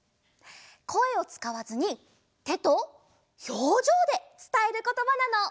こえをつかわずにてとひょうじょうでつたえることばなの。